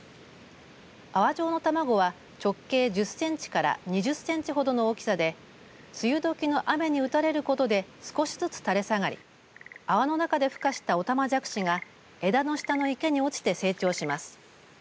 泡状の卵は直径１０センチから２０センチほどの大きさで梅雨時の雨に打たれることで少しずつ垂れ下がり泡の中でふ化したオタマジャクシが枝の下の池に落ちて成長します。